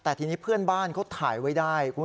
แต่ทีนี้เพื่อนบ้านเขาถ่ายไว้ได้